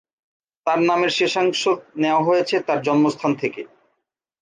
তার নামের শেষাংশ নেয়া হয়েছে তার জন্মস্থান থেকে।